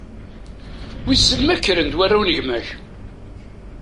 Wiss ma kkren-d warraw n gma-k?